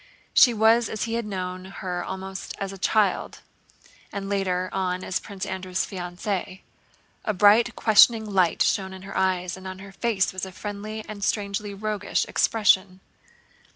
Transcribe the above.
She was as he had known her almost as a child and later on as Prince Andrew's fiancée. A bright questioning light shone in her eyes, and on her face was a friendly and strangely roguish expression.